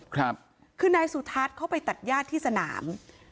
คือนายสุทัศน์เขาไปตัดญาติที่สนาม